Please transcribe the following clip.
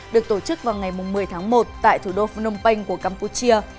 được tổ chức vào ngày một mươi tháng một tại thủ đô phnom penh của campuchia